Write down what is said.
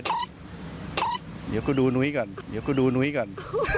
เดี๋ยวกูดูหนุ้ยก่อน